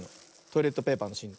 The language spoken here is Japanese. トイレットペーパーのしん。